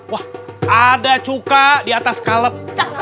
wah ada cuka di atas kalet